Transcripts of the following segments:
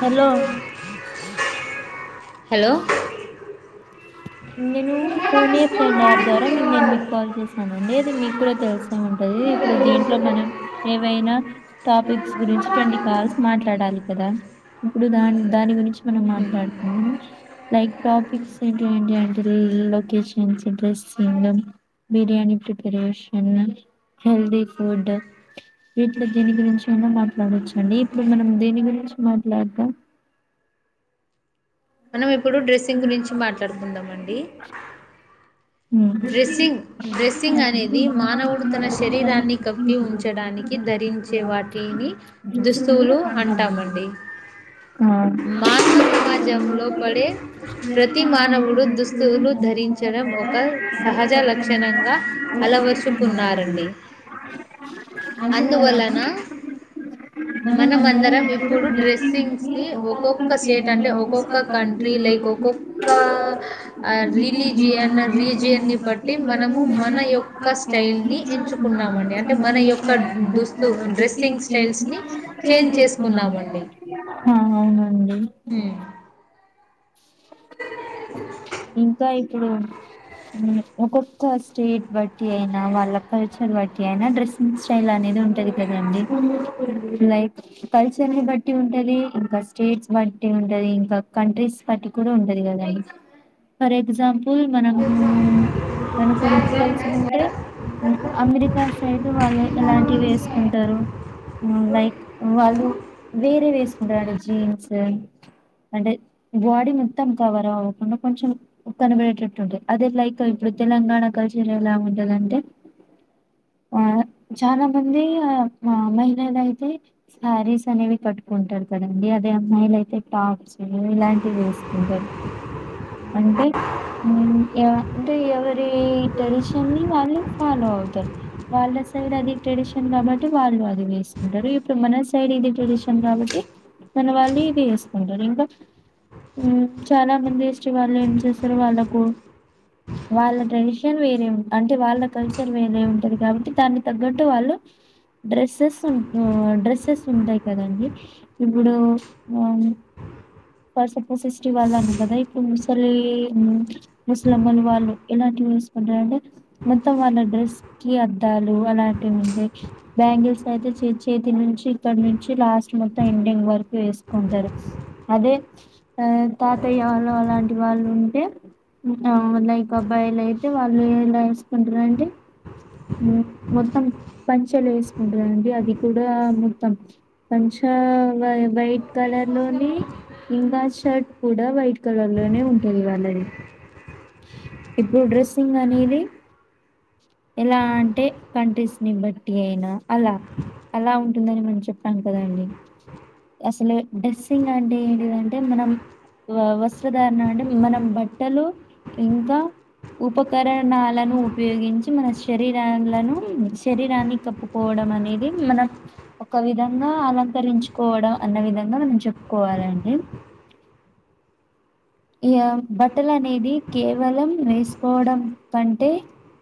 Hello hello నేను phone a friend app ద్వారా నేను మీకు కాల్ చేసాను అండి అది మీకు కూడా తెలిసే ఉంటది ఇప్పుడు దీంట్లో మనం ఏవైనా టాపిక్స్ గురించి ట్వంటీ కాల్స్ మాట్లాడాలి కదా ఇప్పుడు దాన్ దాని గురించి మనం మాట్లాడుతునం లైక్ టాపిక్స్ ఏంటీ మ్మ్ locations address biryani preparation healthy food వీట్లో దీని గురించి మాట్లాడవచ్చు అండి ఇప్పుడు మనం దీని గురించి మాట్లాడం మనం ఇప్పుడు డ్రెస్సింగ్ గురించి మాట్లాడుకుందాము అండి ఉ సింగ్ అనే ది మానవుడు తన శరీరాన్ని కప్పి ఉంచడానికి ధరించే వాటిని దుస్తువులు అంటామండి. ఆ మానవ సమాజంలో పడే ప్రతి మానవుడు దుస్తులు ధరించడం ఒక సహజ లక్షణంగా అలవరుచుకున్నారండి అందువలన [unintelligible] మనం అందరం ఇ ఇప్పుడు డ్రెస్సింగ్స్ ది ఒక్కొక్క స్టేట్ అంటే ఒక్కొక్క కంట్రీ లైక్ ఒక్కొక్క రిలీజియన్ రి దీన్ని బట్టి మనము మన యొక్క స్టైల్ని ఎంచుకున్నామండి అంటే మన యొక్క దుస్తు డ్రెస్సింగ్ స్టైల్స్ని చేంజ్ చేసుకున్నామండి. ఆహ అవునండి. హ్మ్ ఇంకా ఇప్పుడు ఉ ఒకొ ఫస్టీట్ బట్టి ఏ వాళ్ళ కల్చర్ బట్టి అయినా డ్రెస్సింగ్ స్టైల్ అనేది ఉంటది కదండి. లైక్ కల్చర్ను బట్టి ఉంటది, ఇంకా స్టేట్స్ బట్టి ఉంటది, ఇంకా కంట్రీస్ బట్టి కూడా ఉంటది కదండి. ఫర్ ఎగ్జాంప్ ఫుల్ మనం ఊ అనుకొ ముందుగా తెలుసుకుంటే అమెరికా సైడ్ వాళ్ళు ఎలాంటివి వేసుకుంటారు ఉ లైక్ వాళ్ళు వేరే వేసుకుంటారు అండి జీన్స్ అంటే బాడీ మొత్తం కవర్ అవ్వకుండా కొంచెం కనబడేటట్టు ఉంటది. అదే లైక్ ఇప్పుడు తెలంగాణ కల్చర్ ఎలా ఉండాలంటే ఆ చాలా మంది ఆ మ మహిళలు అయితే శారీస్ అనేవి కట్టుకుంటారు కదండి. అదే అమ్మాయిల అయితే టాప్స్ అవి ఇలాంటివి వేసుకోగలరు. అంటే ఊ ఎవ అంటే ఎవరి ట్రెడిషన్ ని వాళ్ళు ఫాలో అవుతారు. వాళ్ళ సైడ్ అది ట్రెడిషన్ కాబట్టి వాళ్ళు అది వేసుకుంటారు. ఇప్పుడు మన సైడ్ ఇది ట్రెడిషన్ కాబట్టి మన వాళ్ళు ఇది వేసుకుంటారు. ఇంకా ఊ చాలా మంది ఏసు శివాని ఏం చేస్తారు వాళ్ళకు వాళ్ళ ట్రెడిషన్ వేరే అంటే వాళ్ళ కల్చర్ వేరే ఉంటది కాబట్టి దాన్ని తగ్గట్టు వాళ్ళు డ్రెస్సెస్ ఊ డ్రెస్సెస్ ఉంటాయి కదండి. ఇప్పుడు ఊ పర్సపోస్ ఫెస్టివాల్ అ కదే ఇ ముసలి ముసలమ్మలు వాళ్ళు ఎలాంటి యూస్ పంట అంటే మొత్తం వాళ డ్రెస్ కి అ తలు అన టే ఉండే బ్యాంగిల్స్ అయితే చే చేతి నుంచి ఇక్కడ నుంచి లాస్ట్ మొత్తం ఎండింగ్ వరకు వేసుకుంటారు. అదే ఆ తాతయ్య లో అలాంటి వాళ్ళు ఉంటే ఉంట అ లైక్ అబ్బాయిలు అయితే వాళ్ళు ఇలా వేసుకుంటారుంటే ఉ మొత్తం పంచలు వేసుకుంటారండి. అది కూడా మొత్తం పంచ వైట్ కలర్ లోని ఇంకా షర్ట్ కూడా వైట్ ఇక్కడ ఉండనే ఉంటుంది వాళది. ఇప్పుడు డ్రెస్సింగ్ అనేది ఎలా అంటే కంట్రీస్ ని బట్టి అయినా, అలా అలా ఉంటుందని మనం చెప్పాం కదండి. అసలు డ్రెస్సింగ్ అంటే ఏంటిదంటే మనం వ చో దాణనం మనం బట్టలు ఇంకా ఉపకరణాలను ఉపయోగించి మనష్ శరీరాలను శరీరాన్ని కప్పుకోవడం అనేది మనం ఒక విధంగా అలంకరించుకోవడం అన్న విధంగా మనం చెప్పుకోవాలండి. ఇ ఆమ్ బట్టలు అనేది కేవలం వేసుకోవడం కంటే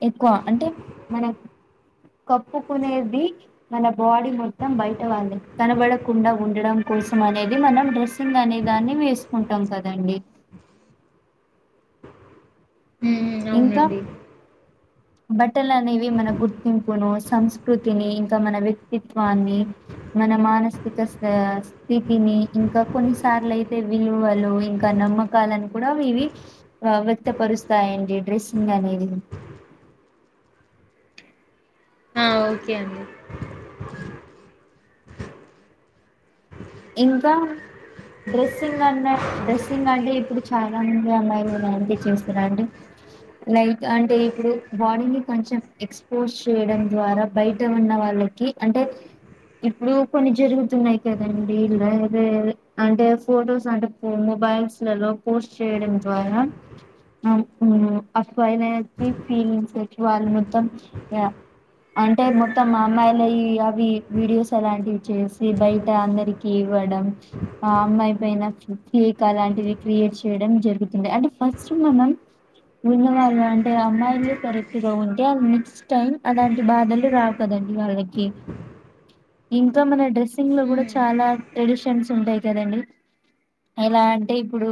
ఎక్కువ. అంటే మనం కప్పుకునేది మన బాడీ మొత్తం బయట వాళ్లే కనబడకుండా ఉండడం కోసం అనేది మనం డ్రెస్ చెందాని దాన్ని వేసుకుంటాం కదండి. ఉ హ్మ్ ఇంకా అవునండి బట్టలు అనేవి మన గుర్తింపును సంస్కృతిని ఇంకా మన వ్యక్తిత్వాన్ని మన మానసిక స్ స్థితిని ఇంకా కొన్నిసార్లు అయితే విలువలు ఇంకా నమ్మకాలను కూడా ఇవి ఆ వ్యక్తపరుస్ స్తాయండి డ్రెస్సింగ్ అనేది ఆ ఓకే అండి ఇంకా డ్రెస్సింగ్ అన్నా డ్రెస్సింగ్ అంటే. ఇప్పుడు చాలా మంది అమ్మాయిళుఇలాంటివి చేస్తారండి. లైక్ అంటే ఇప్పుడు బాడీని కొంచెం ఎక్స్పోజ్ చేయడం ద్వారా బయట ఉన్న వాళ్ళకి అంటే ఇప్పుడు కొన్ని జరుగుతున్నాయి కదం, వీళ్ళు అయితే అంటే ఫొటోస్ అంటే మొబైల్స్ లలో పోస్ట్ చేయడం ద్వారా అవైన ఫీలింగ్స్ వాళ్ళ మొత్తం అంటే మొత్తం మా అమ్మాయిలవి అవి వీడియోస్ అలాంటివి చేసి బయట అందరి ఇవ్వడం ఆ అమ్మాయి పైన ఫేక్ అలాంటివి క్రియేట్ చేయడం జరుగుతుండ అంటే ఫస్ట్ మనం ఉన్నవాళ్ళు అంటే, అమ్మాయిలు కరెక్ట్ గా ఉంటే అ నెక్స్ట్ టైం అలాంటి బాధలు రావుకదండి. వాళ్ళకి ఇంకా మన డ్రెస్సింగ్ లో హ్మ్ గుడా చాలా ట్రెడిషన్స్ ఉంటాయి కదండి ఎలా అంటే ఇప్పుడు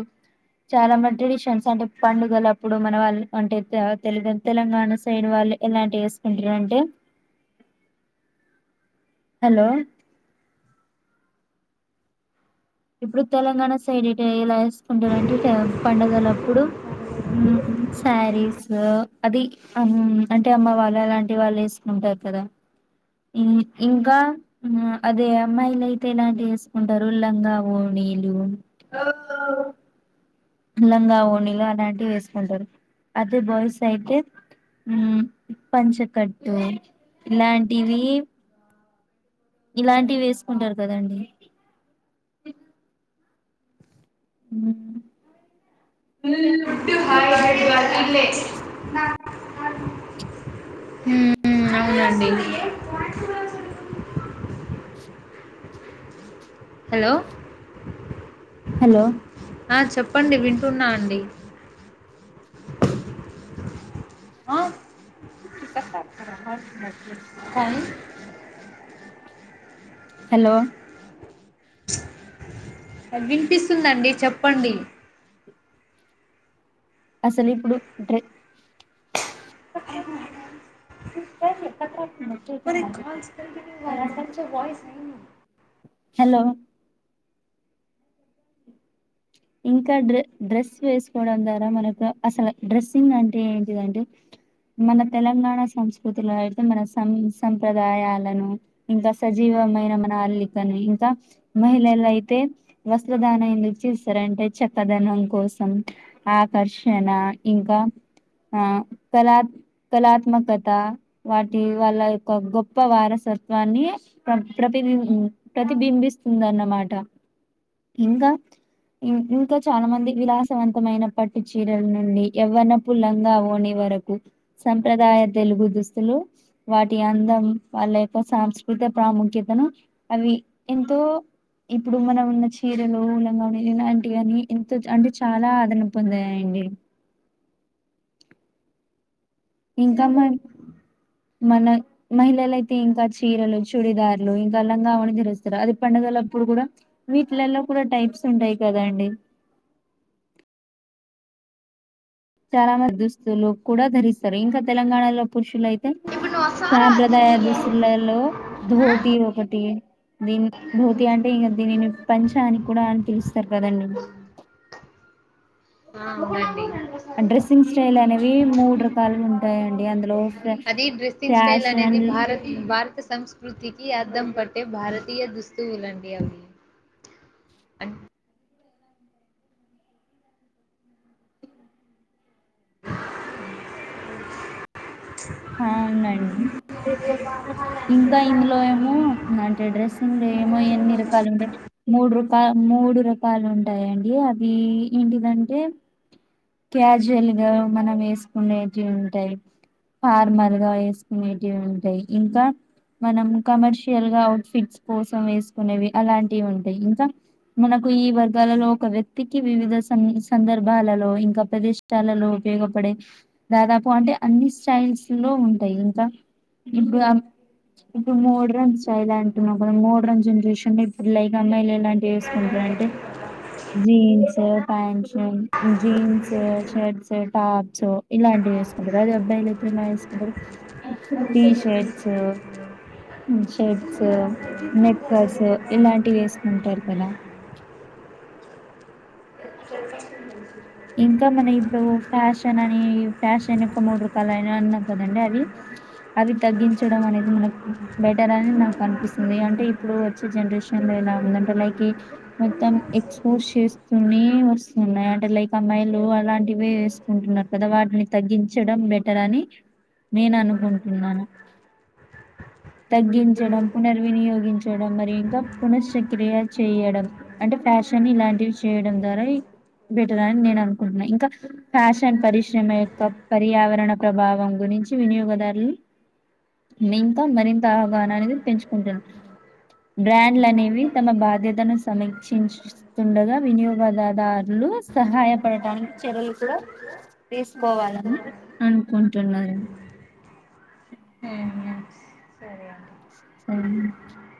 చాలా మంది ట్రెడిషన్స్ అంటే పండుగల అప్పుడు మన వాళ్ళు అంటే తె తెలంగాణ సైడ్ వాళ్ళు ఎలాంటి ఏసుకుంటారంటే హలో ఇప్పుడు తెలంగాణ సైడ్ ఇటు ఎలా ఏసుకుంటారు అంటే పండగలబ్ ప్పుడు ఊమ్ శారీసు అది అమ్ అంటే అమ్మ వాళ్ళు అలాంటి వాళ్ళు ఏసుకుంటారు కదా ఇంకా అదే అమ్మాయిలు అయితే ఇలాంటివి ఏసుకుంటారు లంగా వోనిలు లంగా వోణిలు అలాంటివి ఏసుకుంటారు అదే బాయ్స్ అయితే పంచకట్టు ఇలాంటివి ఇలాంటివి ఏసుకుంటారు కదండి ఉ [unintelligible] ఊ అవునండి హలో హలో ఆ చెప్పండి విం టున్న అండి ఆ కాని హలో వినిపిస్తుంది అండి చెప్పండి అసలు ఇప్పుడు డ్ర మ కల్స్ కగి వారి మతో వయిస్యి [unintelligible] హలో ఇంకా డ్ర డ్రెస్ వేసుకోవడం ద్వారా మనకు అసలు డ్రెస్సింగ్ అంటే ఏంటిదంటే మన తెలంగాణ సంస్కృతిలో అయితే మన సం సంప్రదాయాలను ఇంకా సజీవమైన మన అల్లికని ఇంకా మహిళల అయితే వస్త్రదాన ఎందుకు చేస్ రంటే చక్కదనం కోసం ఆకర్షణ ఇంకా. ఆ కలాత్ కళాత్మకత వాటి వాళ్ళ యొక్క గొప్ప వారసత్వాన్ని ప్ర ప్రతిబిం ప్రతిబింబిస్తుందిన్నమాట ఇంకా, ఇంకా చాలా మంది విలాసవంతమైన పట్టు చీరల నుండి ఎవ్వనపు లంగా ఓని వరకు సంప్రదాయ తెలుగు దుస్తులు వాటి అందం వాళ్ళ యొక్క సాంస్కృతిక ప్రాముఖ్యతను అవి ఎంతో ఇప్పుడు మనం వున్న చీరలు లంగా ఇలాంటివి అని ఎంత అంటే చాలా ఆదరన పొందాయండి ఇంకా మ మన మహిళలయితే ఇంకా చీరలు చూడిదారులు ఇంకా అలా కావని తెరుస్తారు అది పండుగల అప్పుడు కూడా వీటిలలో కూడా టైప్స్ ఉంటాయి కాదండి చాలా మంది దుస్తులు కూడా ధరిస్తారు ఇంకా తెలంగాణలో పురుషులయ్ తే సాంప్రదాయ దుస్తుల లో ధోతి ఒక ఒకటి దీని మూతి అంటే ఇంకా దీనిని పంచ అని కూడా అని పిలుస్తారు కదండి డ్రెస్సింగ్ స్టైల్ అనేవి మూడు రకాలుగా ఉంటాయండి అందులో అది డ్రెస్సింగ్ స్టైల్ల్ ఫ్యాషన్ అనేది భారత్ భారత సంస్కృ కృతికి అద్దం పట్టే భారతీయ దుస్తువులండి అవి అవునండి ఇంకా ఇందులో ఏమో అంటే డ్రెస్సులు ఏమో ఎన్ని రకాలు ఉండే మూడు రూపా పె మూడు రకాలు ఉంటాయండి అవి ఏంటిదంటే క్యాజువల్ గా మనం వేసుకునేవి జెన్ తాయిప్ ఫార్మర్ గా వేసుకునేవి ఉంటాయి, ఇంకా మనం కమర్షియల్ గా అవుట్ ఫిట్స్ కోసం వేసుకునేవి అలాంటివి ఉంటాయి, ఇంకా మనకు ఈ వర్గాలలో ఒక వ్యక్తికి వివిధ సందర్భాలలో ఇంకా ప్రదష్టాలలో ఉపయోగపడే దాదాపు అంటే అన్ని స్టైల్స్ లో ఉంటాయి, ఇంకా ఇప్పుడు ఇప్పుడు మోడ్రన్ స్టైల్ అంటున్నా కదా మోడ్రన్ జనరేషన్ లో ఇప్పుడు లైక్ అమ్మాయి ఇలాంటి వేసుకుంటారు అంటే జీన్స్ సవ పన్షన్ జీన్స్ శర్ట్ స టాప్స్ ఇలాంటివి వేసి సుకుంటారు అది అబ్బాయిలు అయ్ టీషర్ట్స్ షర్ట్స్ నెట్ కర్ట్స్ ఇలాంటివి వేసుకుంటారు కదా స ఇంకా మన ఇప్పుడు ఫ్యాషన్ అని, ఫ్యాషన్ మూడు రకాల అయినా ఉన్నా కదండి అవి, అవి తగ్గించడం అనేది మనకు బెటర్ అని నాకు అనిపిస్తుంది, అంటే ఇప్పుడు వచ్చే జనరేషన్ లో ఎలా ఉందంటే లైక్ మొత్తం ఎక్స్పోజ్ చేస్తుని [unintelligible] అంటే లైక్ సమయలు అలాంటివే వేసుకుంటున్నారు కదా వాటిని తగ్గించ చేయడం బెటర్ అని నేను అనుకుంటున్నాను, తగ్గించడం పునర్వినియోగించడం మరి ఇంకా పునశా క్రియ చేయడం, అంటే ఫ్యాషన్ ఇలాంటివి చేయడం ద్వారా అని నేను అనుకుంటున్నా ఇంకా ఫ్యాషన్ పరిశ్రమ యొక్క పర్యావరణ ప్రభావం గురించి వినియోగదారులు ని మరింత అవగాహన అనేది పెంచుకుంటుంది, బ్రాండ్లు అనేవి తమ బాధ్యతను సమీక్షించ డగా వినియోగదారులు సహాయం పడటానికి చర్యలు కూడా తీసుకోవాల అనుకుంటున్నాను ఉహు సరే అండి ఆ